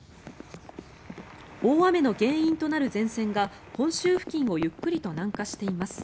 大雨の原因となる前線が本州付近をゆっくりと南下しています。